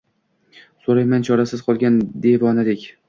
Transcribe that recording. so`rayman chorasiz qolgan devonadek